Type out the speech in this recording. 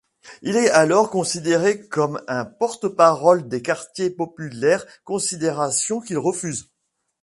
Il est alors considéré comme un porte-parole des quartiers populaires, considération qu'il refuse.